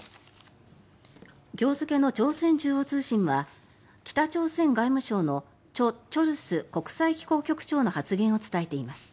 今日付の朝鮮中央通信は北朝鮮外務省のチョ・チョルス国際機構局長の発言を伝えています。